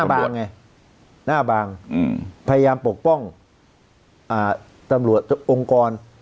หน้าบางไงหน้าบางอืมพยายามปกป้องอ่าตำรวจองกร